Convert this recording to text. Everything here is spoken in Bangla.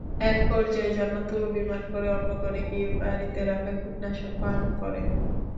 একপর্যায়ে জান্নাতুন অভিমান করে অন্য ঘরে গিয়ে বাড়িতে রাখা কীটনাশক পান করে।